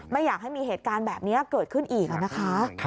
ไม่อยากให้มีเหตุการณ์แบบนี้เกิดขึ้นอีกนะคะ